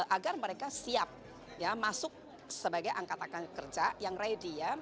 agar mereka siap masuk sebagai angkatan kerja yang ready